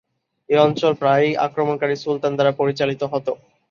এ অঞ্চল প্রায়ই আক্রমণকারী সুলতান দ্বারা পরিচালিত হতো।